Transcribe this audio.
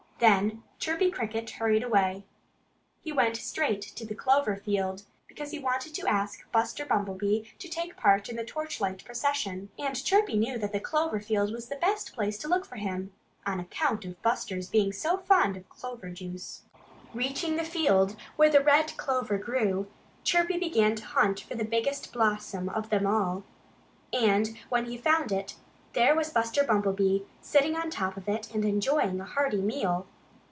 Then Chirpy Cricket hurried away. He went straight to the clover field, because he wanted to ask Buster Bumblebee to take part in the torchlight procession. And Chirpy knew that the clover field was the best place to look for him, on account of Buster's being so fond of clover juice. Reaching the field where the red clover grew, Chirpy began to hunt for the biggest blossom of them all. And when he found it, there was Buster Bumblebee, sitting on top of it and enjoying a hearty meal.